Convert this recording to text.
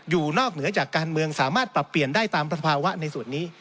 อยู่นอกเหนือจากการเมืองสามารถปรับเปลี่ยนได้ตามสภาวะในส่วนนี้